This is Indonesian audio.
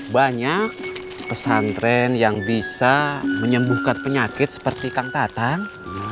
banyak pesantren yang bisa menyembuhkan penyakit seperti kang tatang